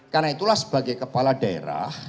karena itulah sebagai kepala daerah